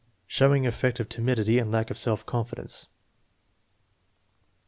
Showing effect of timidity and lack of self confi dence.